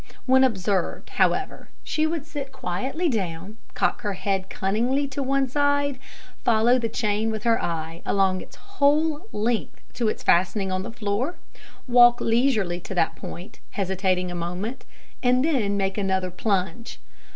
When observed, however, she would sit quietly down, cock her head cunningly on one side, follow the chain with her eye along its whole length to its fastening on the floor, walk leisurely to that point, hesitating a moment, and then make another plunge.